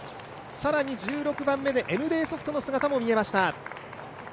更に１６番目でＮＤソフトの姿も見えました。